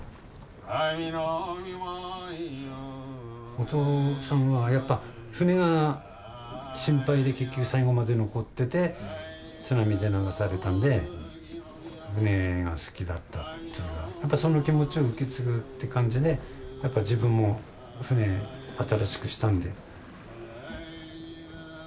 お父さんはやっぱ船が心配で結局最後まで残ってて津波で流されたので船が好きだったっていうかその気持ちを受け継ぐって感じでやっぱ自分も船新しくしたんで。